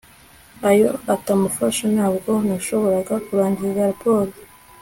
iyo atamufasha, ntabwo nashoboraga kurangiza raporo